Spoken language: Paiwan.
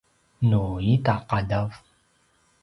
nu ita qadav